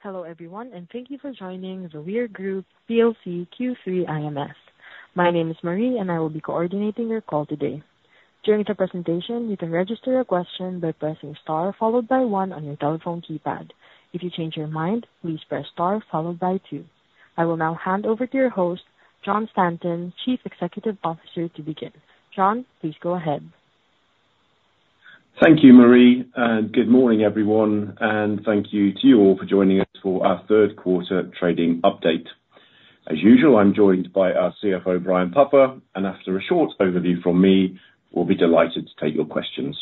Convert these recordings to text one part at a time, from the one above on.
Hello everyone, and thank you for joining The Weir Group PLC Q3 IMS. My name is Marie, and I will be coordinating your call today. During the presentation, you can register a question by pressing star followed by one on your telephone keypad. If you change your mind, please press star followed by two. I will now hand over to your host, Jon Stanton, Chief Executive Officer, to begin. Jon, please go ahead. Thank you, Marie, and good morning everyone, and thank you to you all for joining us for our third quarter trading update. As usual, I'm joined by our CFO, Brian Puffer, and after a short overview from me, we'll be delighted to take your questions.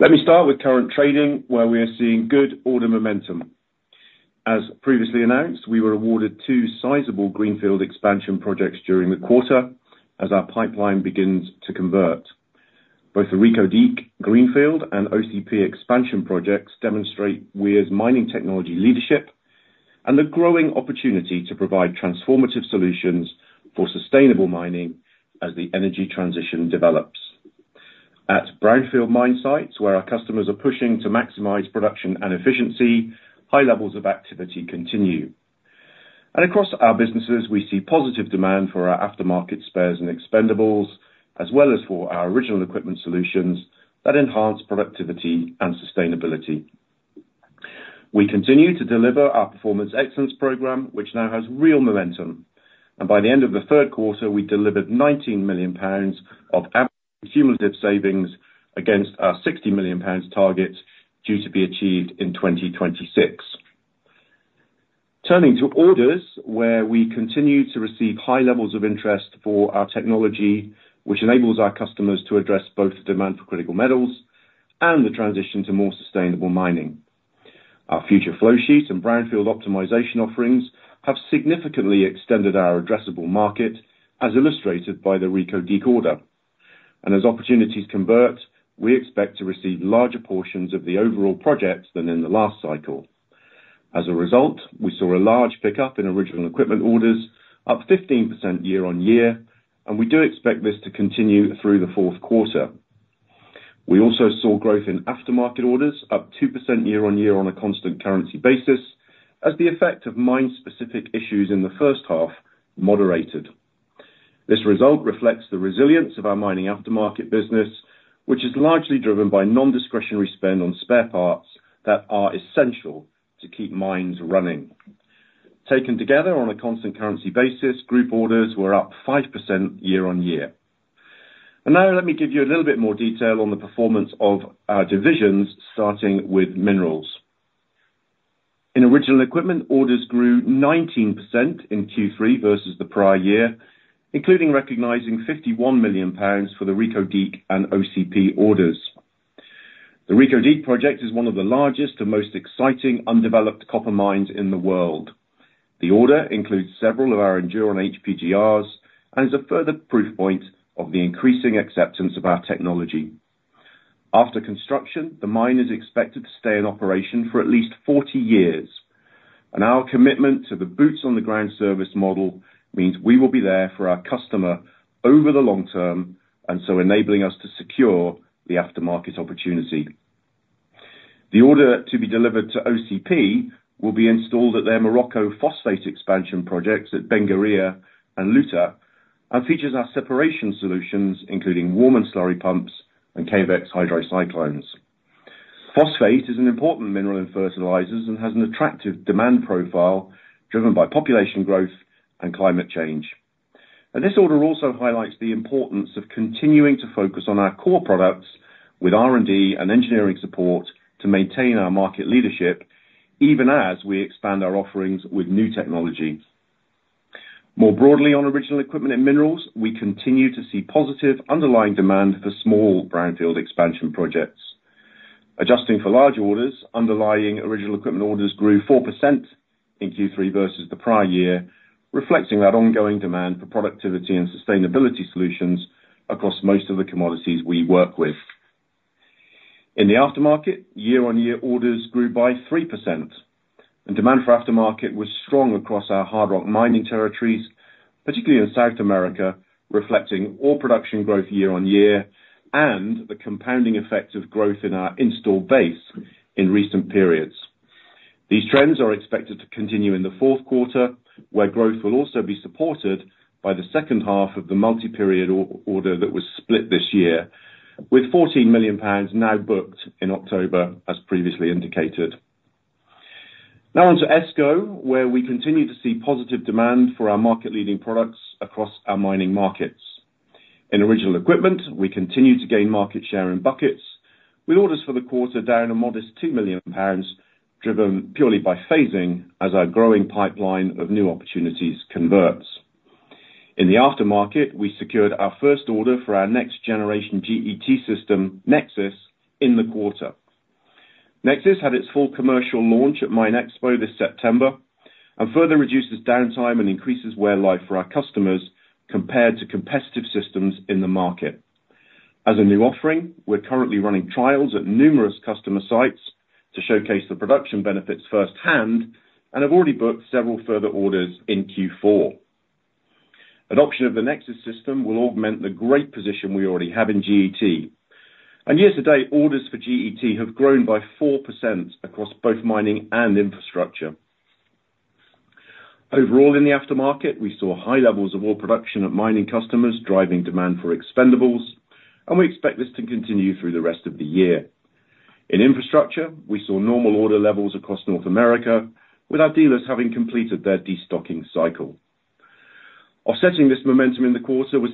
Let me start with current trading, where we are seeing good order momentum. As previously announced, we were awarded two sizable greenfield expansion projects during the quarter as our pipeline begins to convert. Both the Reko Diq greenfield and OCP expansion projects demonstrate Weir's mining technology leadership and the growing opportunity to provide transformative solutions for sustainable mining as the energy transition develops. At brownfield mine sites, where our customers are pushing to maximize production and efficiency, high levels of activity continue. Across our businesses, we see positive demand for our aftermarket spares and expendables, as well as for our original equipment solutions that enhance productivity and sustainability. We continue to deliver our Performance Excellence Program, which now has real momentum. By the end of the third quarter, we delivered 19 million pounds of cumulative savings against our 60 million pounds target due to be achieved in 2026. Turning to orders, where we continue to receive high levels of interest for our technology, which enables our customers to address both the demand for critical metals and the transition to more sustainable mining. Our future flowsheet and brownfield optimization offerings have significantly extended our addressable market, as illustrated by the Reko Diq order. As opportunities convert, we expect to receive larger portions of the overall projects than in the last cycle. As a result, we saw a large pickup in original equipment orders, up 15% year-on-year, and we do expect this to continue through the fourth quarter. We also saw growth in aftermarket orders, up 2% year-on-year on a constant currency basis, as the effect of mine-specific issues in the first half moderated. This result reflects the resilience of our mining aftermarket business, which is largely driven by non-discretionary spend on spare parts that are essential to keep mines running. Taken together on a constant currency basis, group orders were up 5% year-on-year. And now let me give you a little bit more detail on the performance of our divisions, starting with Minerals. In original equipment, orders grew 19% in Q3 versus the prior year, including recognizing 51 million pounds for the Reko Diq and OCP orders. The Reko Diq project is one of the largest and most exciting undeveloped copper mines in the world. The order includes several of our Enduron HPGRs and is a further proof point of the increasing acceptance of our technology. After construction, the mine is expected to stay in operation for at least 40 years, and our commitment to the boots-on-the-ground service model means we will be there for our customer over the long term, and so enabling us to secure the aftermarket opportunity. The order to be delivered to OCP will be installed at their Morocco phosphate expansion projects at Benguerir and Louta, and features our separation solutions, including Warman slurry pumps and Cavex hydrocyclones. Phosphate is an important mineral in fertilizers and has an attractive demand profile driven by population growth and climate change. And this order also highlights the importance of continuing to focus on our core products with R&D and engineering support to maintain our market leadership, even as we expand our offerings with new technology. More broadly, on original equipment and minerals, we continue to see positive underlying demand for small brownfield expansion projects. Adjusting for large orders, underlying original equipment orders grew 4% in Q3 versus the prior year, reflecting that ongoing demand for productivity and sustainability solutions across most of the commodities we work with. In the aftermarket, year-on-year orders grew by 3%. And demand for aftermarket was strong across our hard rock mining territories, particularly in South America, reflecting ore production growth year-on-year and the compounding effect of growth in our install base in recent periods. These trends are expected to continue in the fourth quarter, where growth will also be supported by the second half of the multi-period order that was split this year, with 14 million pounds now booked in October, as previously indicated. Now on to ESCO, where we continue to see positive demand for our market-leading products across our mining markets. In original equipment, we continue to gain market share in buckets, with orders for the quarter down a modest 2 million pounds, driven purely by phasing as our growing pipeline of new opportunities converts. In the aftermarket, we secured our first order for our next generation GET system, Nexsys, in the quarter. Nexsys had its full commercial launch at MINExpo this September and further reduces downtime and increases wear life for our customers compared to competitive systems in the market. As a new offering, we're currently running trials at numerous customer sites to showcase the production benefits firsthand and have already booked several further orders in Q4. Adoption of the Nexsys system will augment the great position we already have in GET. Year-to-date, orders for GET have grown by 4% across both mining and infrastructure. Overall, in the aftermarket, we saw high levels of all production at mining customers driving demand for expendables, and we expect this to continue through the rest of the year. In infrastructure, we saw normal order levels across North America, with our dealers having completed their destocking cycle. Offsetting this momentum in the quarter was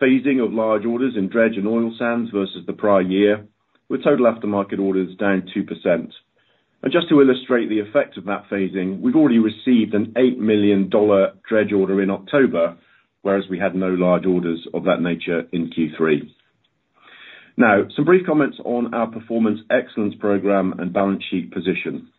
phasing of large orders in dredge and oil sands versus the prior year, with total aftermarket orders down 2%. And just to illustrate the effect of that phasing, we've already received an $8 million dredge order in October, whereas we had no large orders of that nature in Q3. Now, some brief comments on our Performance Excellence Program and balance sheet position.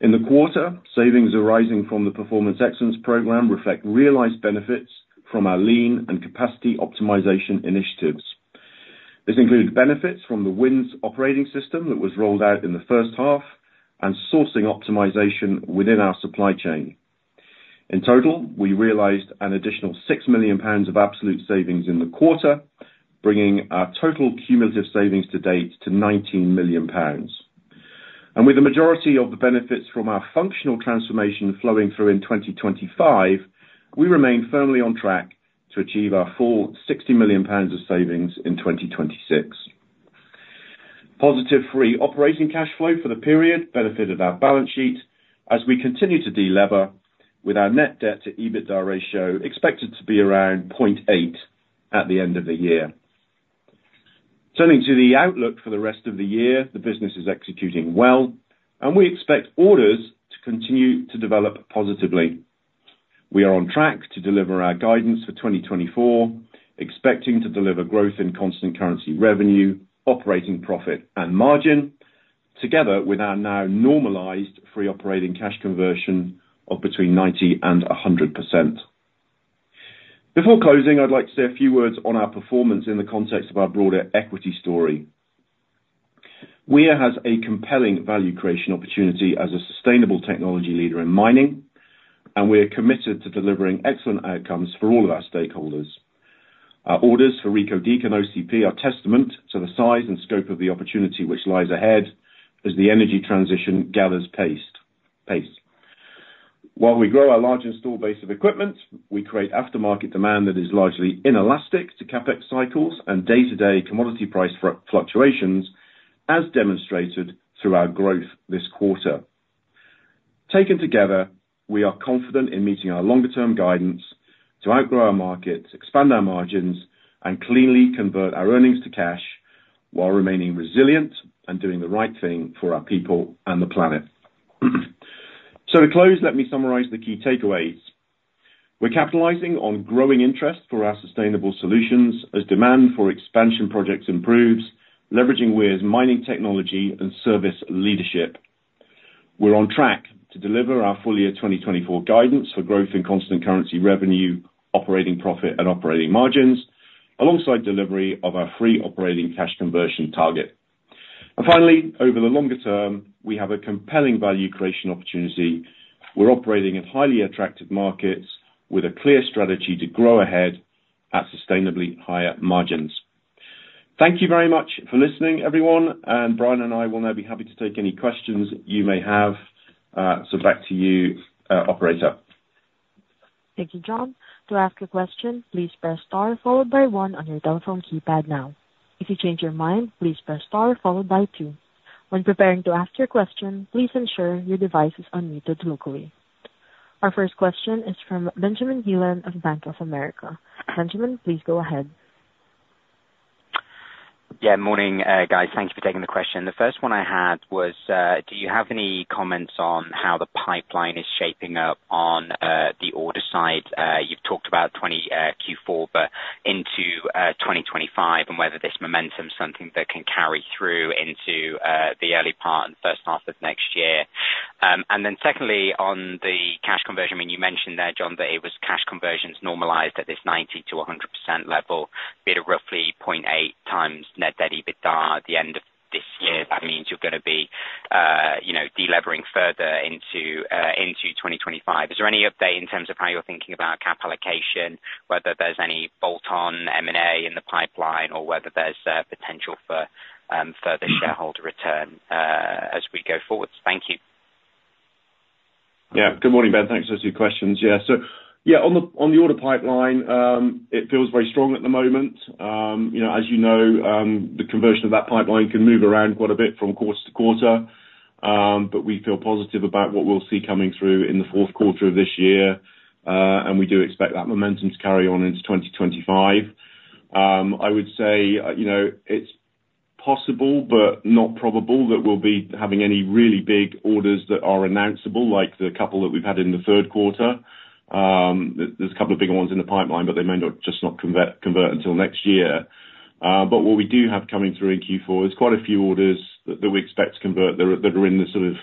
In the quarter, savings arising from the Performance Excellence Program reflect realized benefits from our lean and capacity optimization initiatives. This included benefits from the WINS operating system that was rolled out in the first half and sourcing optimization within our supply chain. In total, we realized an additional 6 million pounds of absolute savings in the quarter, bringing our total cumulative savings to date to 19 million pounds. And with the majority of the benefits from our functional transformation flowing through in 2025, we remain firmly on track to achieve our full 60 million pounds of savings in 2026. Positive free operating cash flow for the period benefited our balance sheet as we continue to delever, with our net debt to EBITDA ratio expected to be around 0.8 at the end of the year. Turning to the outlook for the rest of the year, the business is executing well, and we expect orders to continue to develop positively. We are on track to deliver our guidance for 2024, expecting to deliver growth in constant currency revenue, operating profit, and margin, together with our now normalized free operating cash conversion of between 90% and 100%. Before closing, I'd like to say a few words on our performance in the context of our broader equity story. Weir has a compelling value creation opportunity as a sustainable technology leader in mining, and we are committed to delivering excellent outcomes for all of our stakeholders. Our orders for Reko Diq and OCP are testament to the size and scope of the opportunity which lies ahead as the energy transition gathers pace. While we grow our large installed base of equipment, we create aftermarket demand that is largely inelastic to CapEx cycles and day-to-day commodity price fluctuations, as demonstrated through our growth this quarter. Taken together, we are confident in meeting our longer-term guidance to outgrow our markets, expand our margins, and cleanly convert our earnings to cash while remaining resilient and doing the right thing for our people and the planet. So to close, let me summarize the key takeaways. We're capitalizing on growing interest for our sustainable solutions as demand for expansion projects improves, leveraging Weir's Mining Technology and Service Leadership. We're on track to deliver our full-year 2024 guidance for growth in constant currency revenue, operating profit, and operating margins, alongside delivery of our free operating cash conversion target. And finally, over the longer term, we have a compelling value creation opportunity. We're operating in highly attractive markets with a clear strategy to grow ahead at sustainably higher margins. Thank you very much for listening, everyone. And Brian and I will now be happy to take any questions you may have. So back to you, operator. Thank you, Jon. To ask a question, please press star followed by one on your telephone keypad now. If you change your mind, please press star followed by two. When preparing to ask your question, please ensure your device is unmuted locally. Our first question is from Benjamin Heelan of Bank of America. Benjamin, please go ahead. Yeah, morning, guys. Thank you for taking the question. The first one I had was, do you have any comments on how the pipeline is shaping up on the order side? You've talked about Q4, but into 2025, and whether this momentum is something that can carry through into the early part and first half of next year. And then secondly, on the cash conversion, I mean, you mentioned there, Jon, that it was cash conversions normalized at this 90%-100% level, being a roughly 0.8x net debt to EBITDA at the end of this year. That means you're going to be delivering further into 2025. Is there any update in terms of how you're thinking about CAP allocation, whether there's any bolt-on M&A in the pipeline, or whether there's potential for further shareholder return as we go forward? Thank you. Yeah, good morning, Ben. Thanks for those two questions. Yeah, so yeah, on the order pipeline, it feels very strong at the moment. As you know, the conversion of that pipeline can move around quite a bit from quarter-to-quarter, but we feel positive about what we'll see coming through in the fourth quarter of this year. We do expect that momentum to carry on into 2025. I would say it's possible, but not probable that we'll be having any really big orders that are announceable, like the couple that we've had in the third quarter. There's a couple of big ones in the pipeline, but they may just not convert until next year. But what we do have coming through in Q4 is quite a few orders that we expect to convert that are in the sort of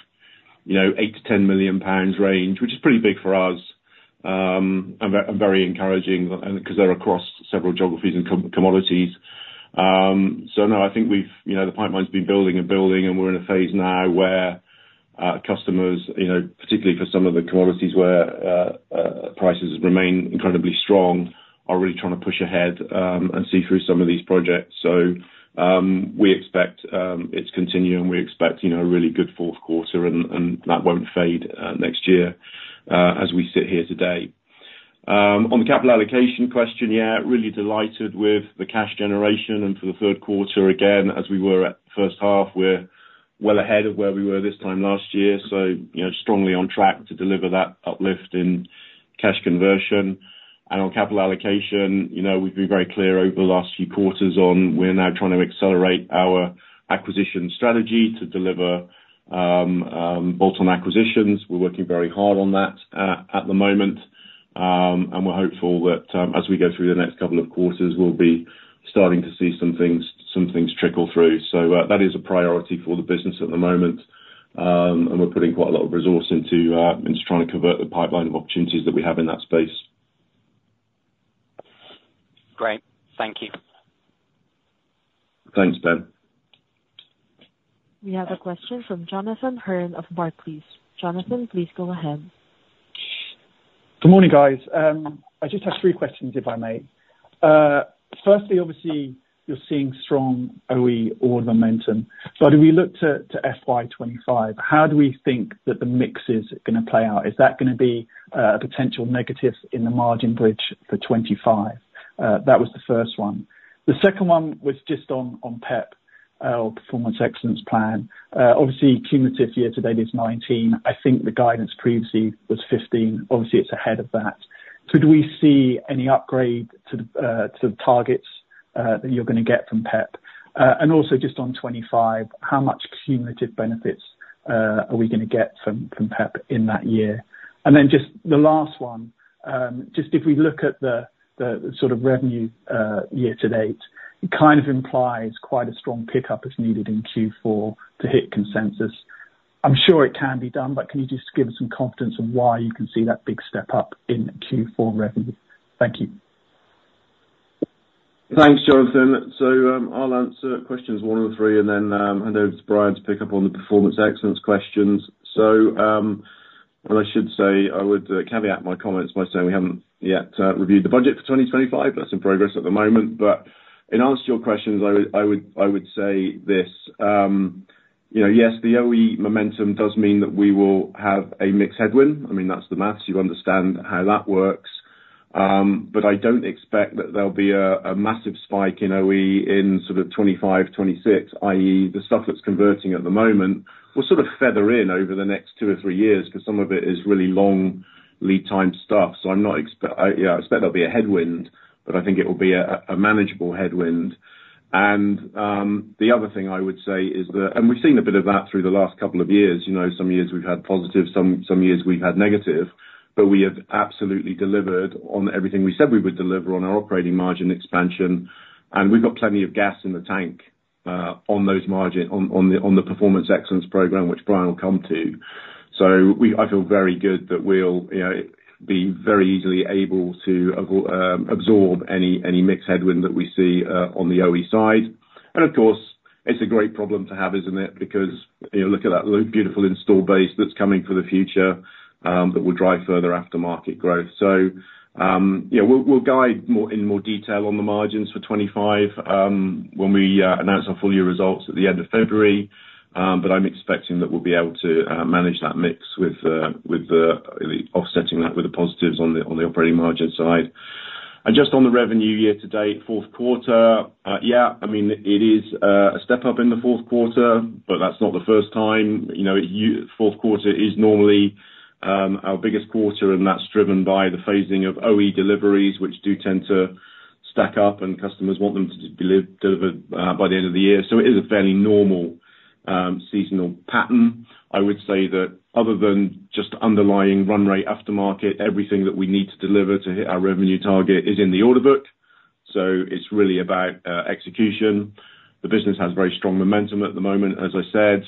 8 million-10 million pounds range, which is pretty big for us and very encouraging because they're across several geographies and commodities. So no, I think the pipeline's been building and building, and we're in a phase now where customers, particularly for some of the commodities where prices remain incredibly strong, are really trying to push ahead and see through some of these projects. So we expect it's continuing, and we expect a really good fourth quarter, and that won't fade next year as we sit here today. On the capital allocation question, yeah, really delighted with the cash generation. And for the third quarter, again, as we were at the first half, we're well ahead of where we were this time last year. So strongly on track to deliver that uplift in cash conversion. And on capital allocation, we've been very clear over the last few quarters on, we're now trying to accelerate our acquisition strategy to deliver bolt-on acquisitions. We're working very hard on that at the moment. And we're hopeful that as we go through the next couple of quarters, we'll be starting to see some things trickle through. So that is a priority for the business at the moment. And we're putting quite a lot of resource into trying to convert the pipeline of opportunities that we have in that space. Great. Thank you. Thanks, Ben. We have a question from Jonathan Hurn of Barclays. Jonathan, please go ahead. Good morning, guys. I just have three questions, if I may. Firstly, obviously, you're seeing strong OE order momentum. But if we look to FY 2025, how do we think that the mix is going to play out? Is that going to be a potential negative in the margin bridge for 2025? That was the first one. The second one was just on PEP, or Performance Excellence Program. Obviously, cumulative year-to-date is 19. I think the guidance previously was 15. Obviously, it's ahead of that. Could we see any upgrade to the targets that you're going to get from PEP? And also just on '25, how much cumulative benefits are we going to get from PEP in that year? And then just the last one, just if we look at the sort of revenue year-to-date, it kind of implies quite a strong pickup is needed in Q4 to hit consensus. I'm sure it can be done, but can you just give us some confidence of why you can see that big step up in Q4 revenue? Thank you. Thanks, Jonathan, so I'll answer questions one and three, and then hand over to Brian to pick up on the performance excellence questions, so what I should say, I would caveat my comments by saying we haven't yet reviewed the budget for 2025. That's in progress at the moment. But in answer to your questions, I would say this: yes, the OE momentum does mean that we will have a mixed headwind. I mean, that's the math. You understand how that works. But I don't expect that there'll be a massive spike in OE in sort of 2025, 2026, i.e., the stuff that's converting at the moment will sort of feather in over the next two or three years because some of it is really long lead-time stuff, so I'm not expecting, yeah, I expect there'll be a headwind, but I think it will be a manageable headwind. The other thing I would say is that, and we've seen a bit of that through the last couple of years. Some years we've had positive, some years we've had negative, but we have absolutely delivered on everything we said we would deliver on our operating margin expansion. And we've got plenty of gas in the tank on the Performance Excellence Program, which Brian will come to. So I feel very good that we'll be very easily able to absorb any mixed headwind that we see on the OE side. And of course, it's a great problem to have, isn't it? Because look at that beautiful install base that's coming for the future that will drive further aftermarket growth. So we'll guide in more detail on the margins for 2025 when we announce our full year results at the end of February. But I'm expecting that we'll be able to manage that mix with offsetting that with the positives on the operating margin side. And just on the revenue year-to-date, fourth quarter, yeah, I mean, it is a step up in the fourth quarter, but that's not the first time. Fourth quarter is normally our biggest quarter, and that's driven by the phasing of OE deliveries, which do tend to stack up, and customers want them to be delivered by the end of the year. So it is a fairly normal seasonal pattern. I would say that other than just underlying run rate aftermarket, everything that we need to deliver to hit our revenue target is in the order book. So it's really about execution. The business has very strong momentum at the moment, as I said.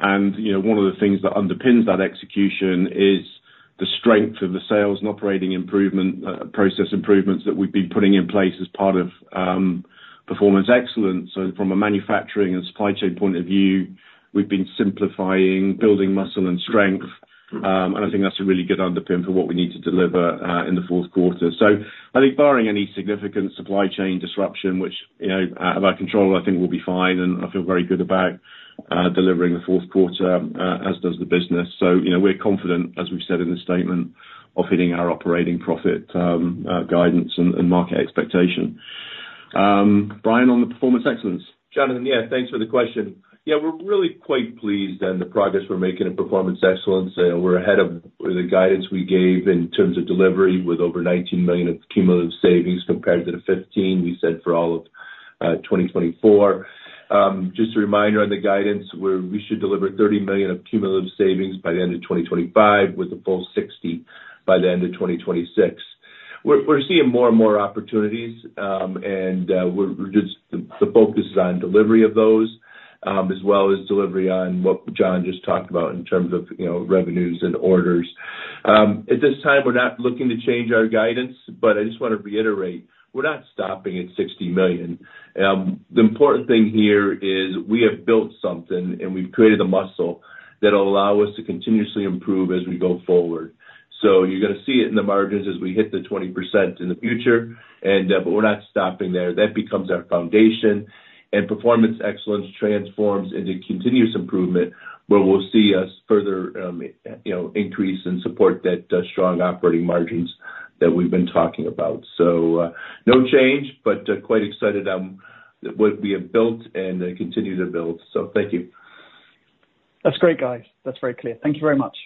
One of the things that underpins that execution is the strength of the sales and operating improvement process improvements that we've been putting in place as part of performance excellence. From a manufacturing and supply chain point of view, we've been simplifying, building muscle and strength. I think that's a really good underpin for what we need to deliver in the fourth quarter. I think barring any significant supply chain disruption, which is out of our control, we will be fine, and I feel very good about delivering the fourth quarter, as does the business. We're confident, as we've said in the statement, of hitting our operating profit guidance and market expectation. Brian, on the Performance Excellence? Jonathan, yeah, thanks for the question. Yeah, we're really quite pleased with the progress we're making in Performance Excellence. We're ahead of the guidance we gave in terms of delivery with over 19 million of cumulative savings compared to the 15 million we said for all of 2024. Just a reminder on the guidance, we should deliver 30 million of cumulative savings by the end of 2025, with a full 60 million by the end of 2026. We're seeing more and more opportunities, and the focus is on delivery of those, as well as delivery on what Jon just talked about in terms of revenues and orders. At this time, we're not looking to change our guidance, but I just want to reiterate, we're not stopping at 60 million. The important thing here is we have built something, and we've created the muscle that will allow us to continuously improve as we go forward. So you're going to see it in the margins as we hit the 20% in the future, but we're not stopping there. That becomes our foundation, and performance excellence transforms into continuous improvement, where we'll see a further increase in support that strong operating margins that we've been talking about. So no change, but quite excited on what we have built and continue to build. So thank you. That's great, guys. That's very clear. Thank you very much.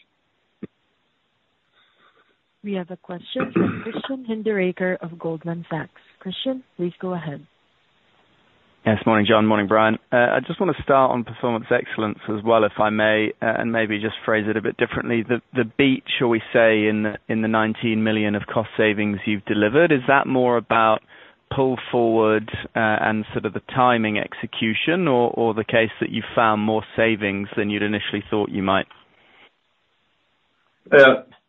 We have a question from Christian Hinderaker of Goldman Sachs. Christian, please go ahead. Yes, morning, Jon. Morning, Brian. I just want to start on Performance Excellence as well, if I may, and maybe just phrase it a bit differently. The beat, shall we say, in the 19 million of cost savings you've delivered, is that more about pull forward and sort of the timing execution, or the case that you found more savings than you'd initially thought you might?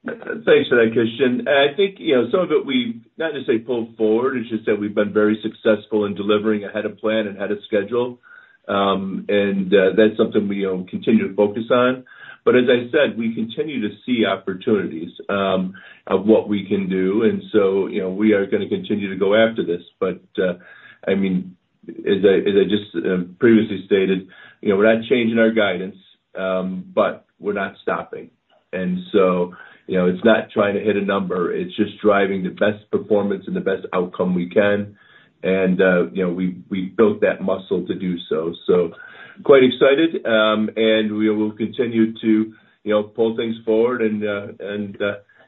Thanks for that, Christian. I think some of it we've not to say pull forward, it's just that we've been very successful in delivering ahead of plan and ahead of schedule. And that's something we continue to focus on. But as I said, we continue to see opportunities of what we can do. And so we are going to continue to go after this. But I mean, as I just previously stated, we're not changing our guidance, but we're not stopping. And so it's not trying to hit a number. It's just driving the best performance and the best outcome we can. And we've built that muscle to do so. So quite excited, and we will continue to pull things forward and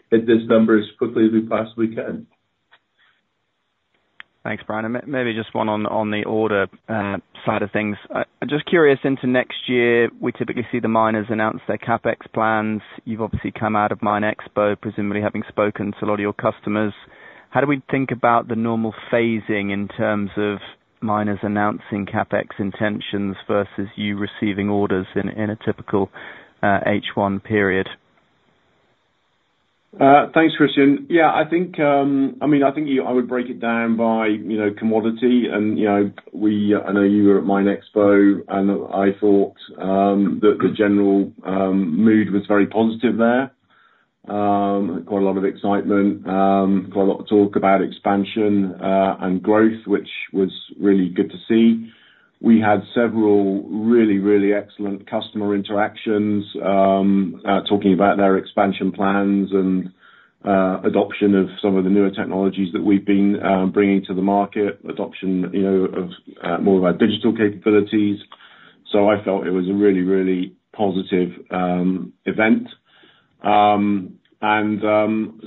hit this number as quickly as we possibly can. Thanks, Brian. Maybe just one on the order side of things. I'm just curious, into next year, we typically see the miners announce their CapEx plans. You've obviously come out of MINExpo, presumably having spoken to a lot of your customers. How do we think about the normal phasing in terms of miners announcing CapEx intentions versus you receiving orders in a typical H1 period? Thanks, Christian. Yeah, I mean, I think I would break it down by commodity. And I know you were at MINExpo, and I thought that the general mood was very positive there. Quite a lot of excitement, quite a lot of talk about expansion and growth, which was really good to see. We had several really, really excellent customer interactions talking about their expansion plans and adoption of some of the newer technologies that we've been bringing to the market, adoption of more of our digital capabilities. So I felt it was a really, really positive event. And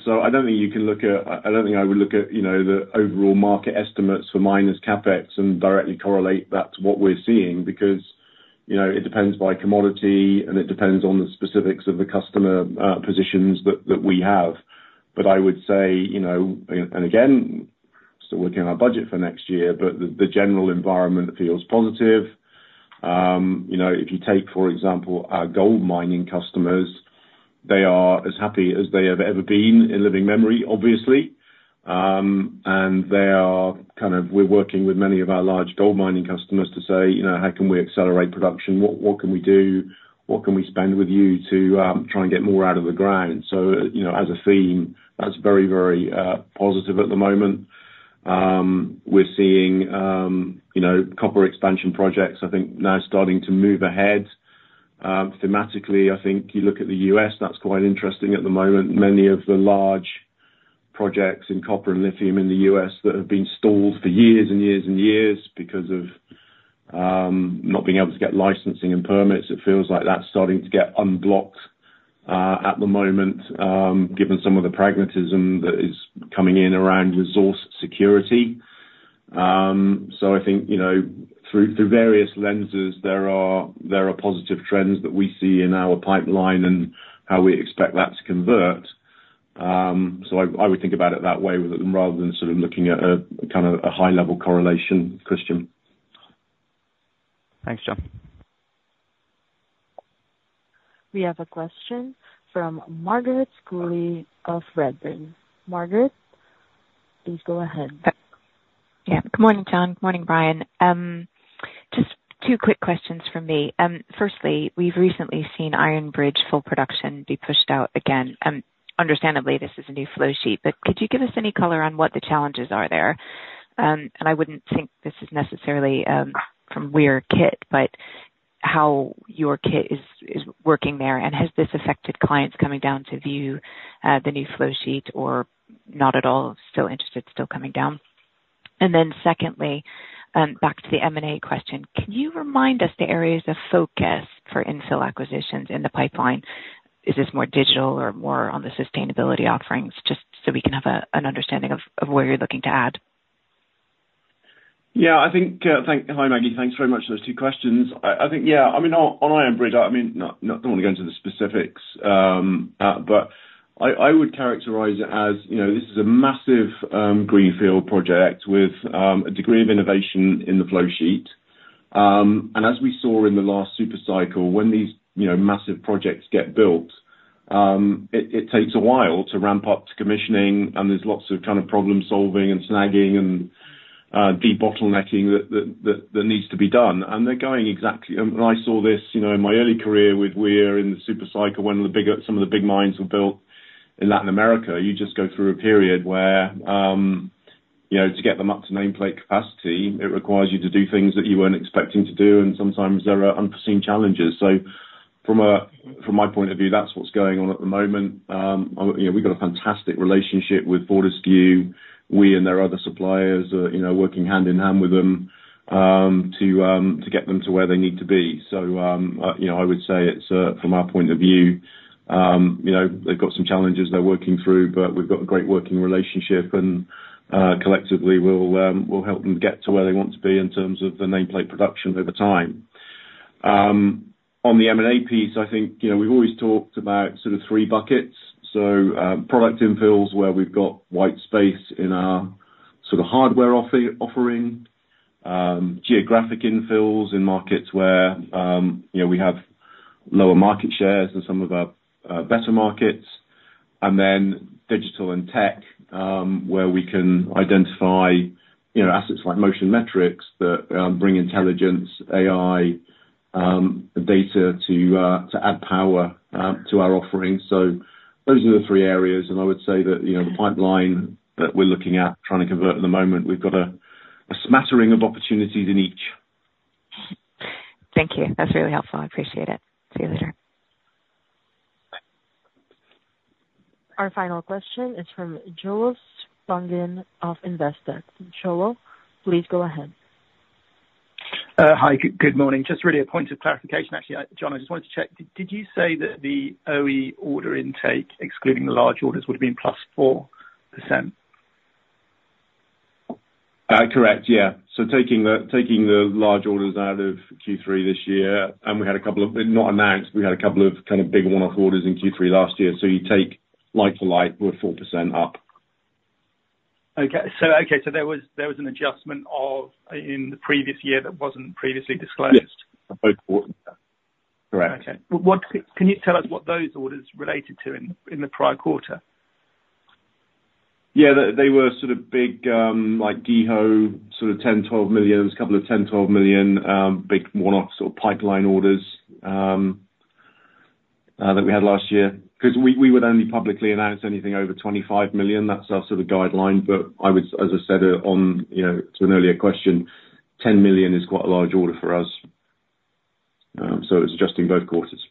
so I don't think I would look at the overall market estimates for miners' CapEx and directly correlate that to what we're seeing because it depends by commodity, and it depends on the specifics of the customer positions that we have. But I would say, and again, still working on our budget for next year, but the general environment feels positive. If you take, for example, our gold mining customers, they are as happy as they have ever been in living memory, obviously. And we're working with many of our large gold mining customers to say, "How can we accelerate production? What can we do? What can we spend with you to try and get more out of the ground?" So as a theme, that's very, very positive at the moment. We're seeing copper expansion projects, I think, now starting to move ahead. Thematically, I think you look at the U.S., that's quite interesting at the moment. Many of the large projects in copper and lithium in the U.S. that have been stalled for years and years and years because of not being able to get licensing and permits, it feels like that's starting to get unblocked at the moment, given some of the pragmatism that is coming in around resource security. So I think through various lenses, there are positive trends that we see in our pipeline and how we expect that to convert. So I would think about it that way rather than sort of looking at kind of a high-level correlation, Christian. Thanks, Jon. We have a question from Margaret Schooley of Redburn. Margaret, please go ahead. Yeah. Good morning, Jon. Good morning, Brian. Just two quick questions for me. Firstly, we've recently seen Iron Bridge full production be pushed out again. Understandably, this is a new flow sheet, but could you give us any color on what the challenges are there? And I wouldn't think this is necessarily from Weir kit, but how your kit is working there, and has this affected clients coming down to view the new flow sheet or not at all, still interested, still coming down? And then secondly, back to the M&A question, can you remind us the areas of focus for infill acquisitions in the pipeline? Is this more digital or more on the sustainability offerings, just so we can have an understanding of where you're looking to add? Yeah. Hi, Maggie. Thanks very much for those two questions. I think, yeah, I mean, on Iron Bridge, I mean, not going to go into the specifics, but I would characterize it as this is a massive greenfield project with a degree of innovation in the flowsheet. And as we saw in the last supercycle, when these massive projects get built, it takes a while to ramp up to commissioning, and there's lots of kind of problem-solving and snagging and de-bottlenecking that needs to be done. And they're going exactly and I saw this in my early career with Weir in the supercycle, when some of the big mines were built in Latin America. You just go through a period where to get them up to nameplate capacity, it requires you to do things that you weren't expecting to do, and sometimes there are unforeseen challenges. So from my point of view, that's what's going on at the moment. We've got a fantastic relationship with Fortescue, we and their other suppliers working hand in hand with them to get them to where they need to be. So I would say it's, from our point of view, they've got some challenges they're working through, but we've got a great working relationship, and collectively, we'll help them get to where they want to be in terms of the nameplate production over time. On the M&A piece, I think we've always talked about sort of three buckets. So product infills where we've got white space in our sort of hardware offering, geographic infills in markets where we have lower market shares than some of our better markets, and then digital and tech where we can identify assets like Motion Metrics that bring intelligence, AI, data to add power to our offering. So those are the three areas, and I would say that the pipeline that we're looking at trying to convert at the moment, we've got a smattering of opportunities in each. Thank you. That's really helpful. I appreciate it. See you later. Our final question is from Joel Spungin of Investec. Joel, please go ahead. Hi, good morning. Just really a point of clarification, actually. Jon, I just wanted to check. Did you say that the OE order intake, excluding the large orders, would have been +4%? Correct. Yeah. So, taking the large orders out of Q3 this year, and we had a couple of not announced, but we had a couple of kind of big one-off orders in Q3 last year. So, you take like for like, we're 4% up. Okay. So there was an adjustment in the previous year that wasn't previously disclosed? Correct. Okay. Can you tell us what those orders related to in the prior quarter? Yeah. They were sort of big GEHO sort of 10 million-12 million, a couple of 10 million-12 million, big one-off sort of pipeline orders that we had last year. Because we would only publicly announce anything over 25 million. That's our sort of guideline. But I would, as I said to an earlier question, 10 million is quite a large order for us. So it was adjusting both quarters.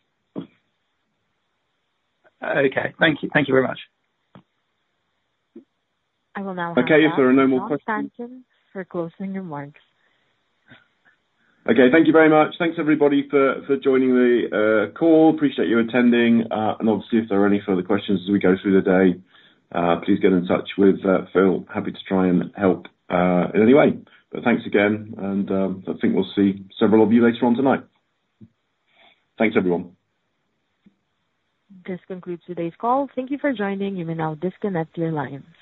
Okay. Thank you very much. I will now. Okay. If there are no more questions. Jon Stanton for closing remarks. Okay. Thank you very much. Thanks, everybody, for joining the call. Appreciate you attending. And obviously, if there are any further questions as we go through the day, please get in touch with Phil. Happy to try and help in any way. But thanks again, and I think we'll see several of you later on tonight. Thanks, everyone. This concludes today's call. Thank you for joining. You may now disconnect your lines.